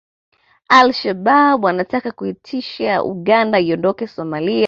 Al Shabab wanataka kuitisha Uganda iondoke Somalia